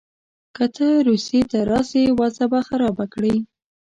که ته روسیې ته راسې وضع به خرابه کړې.